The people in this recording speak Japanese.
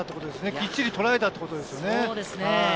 きっちりとらえたということですね。